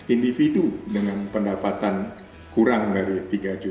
individu dengan pendapatan kurang dari tiga juta